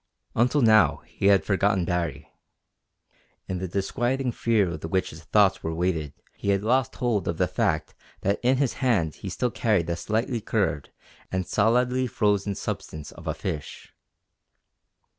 Until now he had forgotten Baree. In the disquieting fear with which his thoughts were weighted he had lost hold of the fact that in his hand he still carried the slightly curved and solidly frozen substance of a fish.